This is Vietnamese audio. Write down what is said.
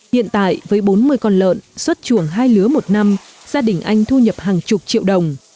hiện tại với bốn mươi con lợn xuất chuồng hai lứa một năm gia đình anh thu nhập hàng chục triệu đồng